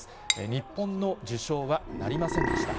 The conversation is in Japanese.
日本の受賞はなりませんでした。